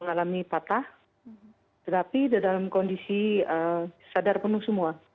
mengalami patah tetapi dalam kondisi sadar penuh semua